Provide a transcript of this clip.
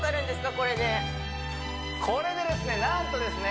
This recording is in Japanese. これでこれでですねなんとですね